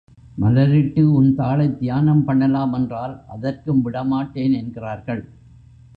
மலரிட்டு உன் தாளைத் தியானம் பண்ணலாம் என்றால் அதற்கும் விடமாட்டேன் என்கிறார்கள்.